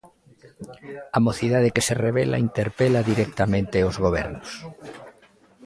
A mocidade que se rebela interpela directamente os Gobernos.